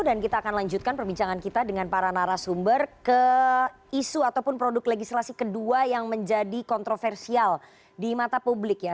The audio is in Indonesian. dan kita akan lanjutkan perbincangan kita dengan para narasumber ke isu ataupun produk legislasi kedua yang menjadi kontroversial di mata publik ya